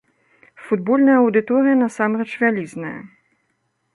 Футбольная аўдыторыя насамрэч вялізная.